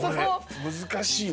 難しいね。